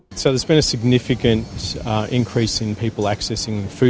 jadi ada peningkatan yang signifikan dalam kemampuan kemampuan kemampuan kemampuan kemampuan